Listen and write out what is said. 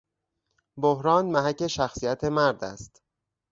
بحران محک شخصیت مرد است.